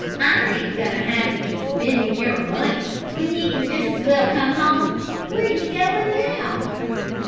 I ain't goin' to have ye spendin' your money when ye can just as well come home. Where ye goin' now?"